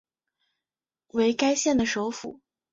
为该县的首府。